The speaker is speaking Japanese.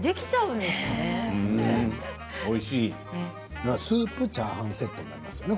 だからスープチャーハンセットですね。